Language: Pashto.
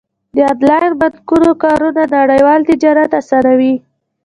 د انلاین بانکونو کارونه نړیوال تجارت اسانوي.